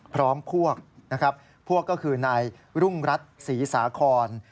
พร้อมพวกนะครับพวกก็คือนายรุ่งรัฐศรีสาคอน